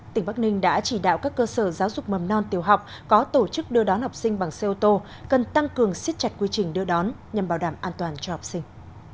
tỉnh bắc ninh đã chỉ đạo các cơ sở giáo dục mầm non tiểu học có tổ chức đưa đón học sinh bằng xe ô tô cần tăng cường siết chặt quy trình đưa đón nhằm bảo đảm an toàn cho học sinh